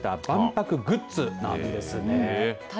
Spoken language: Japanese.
万博グッズなんですね。